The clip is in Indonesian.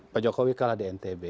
pak jokowi kalah di ntb